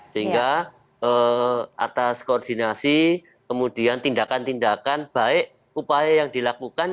sehingga atas koordinasi kemudian tindakan tindakan baik upaya yang dilakukan